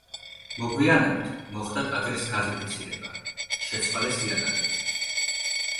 მოგვიანებით, მოხდა ტაძრის გაზიფიცირება, შეცვალეს იატაკები.